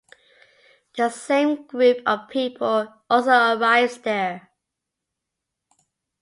The same group of people also arrives there.